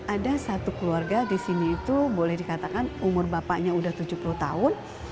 ada satu keluarga di sini itu boleh dikatakan umur bapaknya udah tujuh puluh tahun